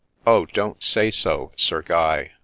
' Oh ! don't say so, Sir Guy